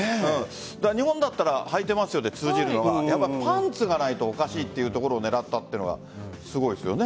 日本だったらはいてますよで通じるのがパンツがないとおかしいというところを狙ったというのがすごいですよね。